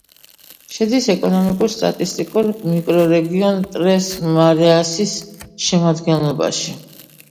შედის ეკონომიკურ-სტატისტიკურ მიკრორეგიონ ტრეს-მარიასის შემადგენლობაში.